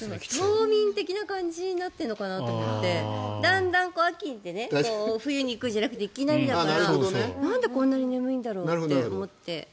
冬眠的な感じになってるのかなと思ってだんだん秋ってね冬に行くじゃなくていきなりだからなんでこんなに眠いんだろうと思って。